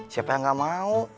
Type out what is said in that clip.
siapa yang gak mau